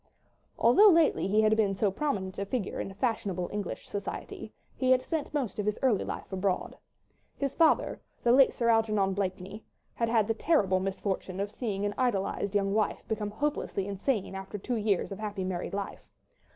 Although lately he had been so prominent a figure in fashionable English society, he had spent most of his early life abroad. His father, the late Sir Algernon Blakeney, had had the terrible misfortune of seeing an idolized young wife become hopelessly insane after two years of happy married life.